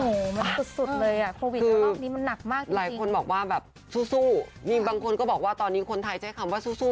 โอ้โหมันสุดสุดเลยอ่ะโควิดระลอกนี้มันหนักมากจริงหลายคนบอกว่าแบบสู้นี่บางคนก็บอกว่าตอนนี้คนไทยใช้คำว่าสู้